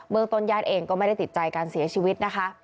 เมืองต้นญาติเองก็ไม่ได้ติดใจการเสียชีวิตนะคะ